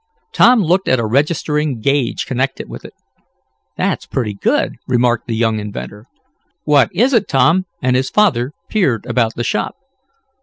Tom looked at a registering gauge connected with it. "That's pretty good," remarked the young inventor. "What is it, Tom?" and his father peered about the shop.